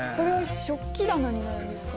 食器棚になるんですか？